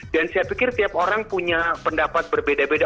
dan saya pikir tiap orang punya pendapat berbeda beda